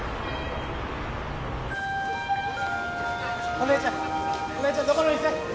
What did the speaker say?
お姉ちゃんお姉ちゃんどこの店？